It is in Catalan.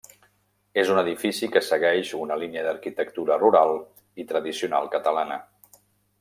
És un edifici que segueix una línia d'arquitectura rural i tradicional catalana.